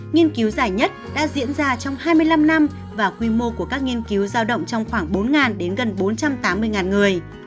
nghiên cứu giải nhất đã diễn ra trong hai mươi năm năm và quy mô của các nghiên cứu giao động trong khoảng bốn đến gần bốn trăm tám mươi người